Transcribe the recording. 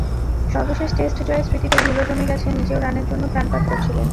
সর্বশেষ টেস্ট জয়ের স্মৃতিতে ধুলো জমে গেছে, নিজেও রানের জন্য প্রাণপাত করছিলেন।